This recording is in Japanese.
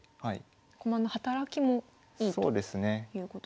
駒の働きもいいということ。